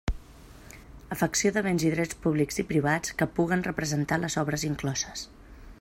Afecció de béns i drets públics i privats que puguen representar les obres incloses.